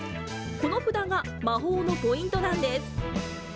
この札が魔法のポイントなんです。